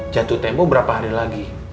jatuh tempo berapa hari lagi